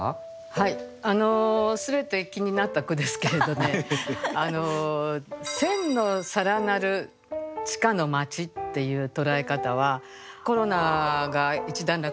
はいあの全て気になった句ですけれどね「千の皿鳴る地下の街」っていうとらえ方はコロナが一段落してね